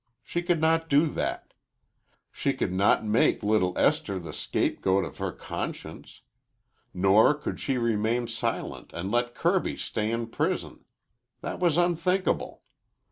She could not do that. She could not make little Esther the scapegoat of her conscience. Nor could she remain silent and let Kirby stay in prison. That was unthinkable.